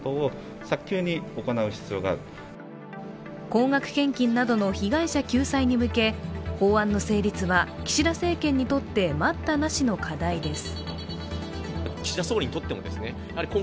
高額献金などの被害者の救済に向け法案の成立は岸田政権にとって待ったなしの課題です。